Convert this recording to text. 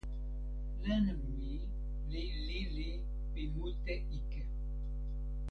len mi li lili pi mute ike.